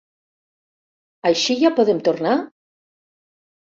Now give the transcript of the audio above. Així ja podem tornar?